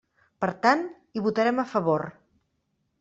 Per tant, hi votarem a favor.